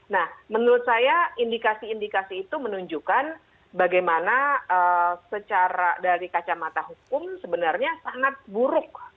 nah menurut saya indikasi indikasi itu menunjukkan bagaimana secara dari kacamata hukum sebenarnya sangat buruk